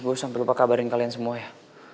gue sampai lupa kabarin kalian semua ya